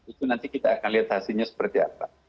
itu nanti kita akan lihat hasilnya seperti apa